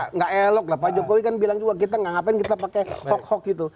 nggak elok lah pak jokowi kan bilang juga kita nggak ngapain kita pakai hoax hoax gitu